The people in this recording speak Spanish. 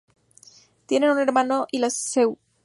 Tiene un hermano y le gusta Led Zeppelin.